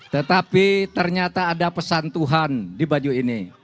tetapi ternyata ada pesan tuhan di baju ini